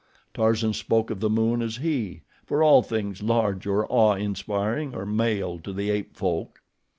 Tarzan spoke of the moon as HE, for all things large or awe inspiring are male to the ape folk.